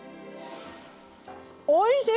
おいしい！